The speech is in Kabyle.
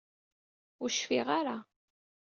Ur cfiɣ ara!